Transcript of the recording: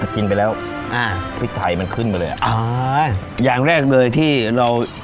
กินไปแล้วอ่าพริกไทยมันขึ้นมาเลยอ่ะอ่าอย่างแรกเลยที่เรา